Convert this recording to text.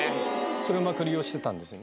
それをうまく利用してたんですよね。